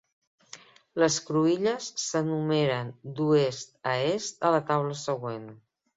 Les cruïlles s'enumeren d'oest a est a la taula següent.